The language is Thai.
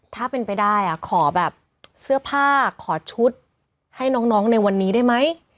ถ้าเป็นไปได้ขอแบบเสื้อผ้าขอชุดให้น้องในวันนี้ได้ไหม